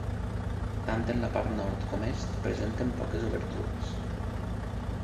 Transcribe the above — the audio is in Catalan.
Tant en la part Nord com Est presenten poques obertures.